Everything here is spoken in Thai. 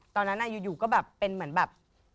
ตอนนั้นอยู่ก็แบบเป็นเหมือนแบบ